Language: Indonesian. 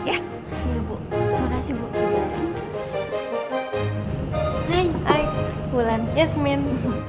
hai hai ulan yasmin